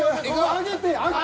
上げて上げて。